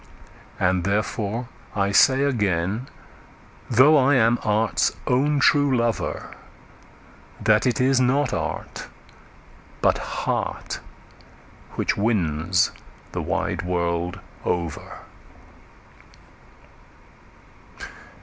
And therefore I say again, though I am art's own true lover, That it is not art, but heart, which wins the wide world over.